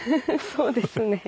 そうですね。